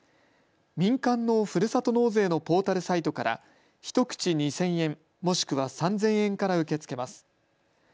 民間のふるさと納税のポータルサイトから１口２０００円、もしくは３０００円から受け付けます。